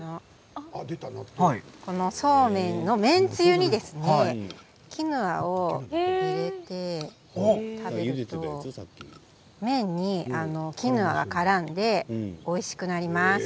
このそうめんの麺つゆにキヌアを入れて食べると麺にキヌアがからんでおいしくなります。